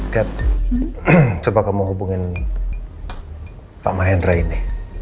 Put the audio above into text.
cap coba kamu hubungin pak mahendra ini